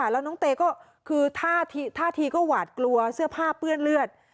แล้วน้องเตก็คือท่าทีก็หวาดกลัวเสื้อผ้าเปื้อนเลือด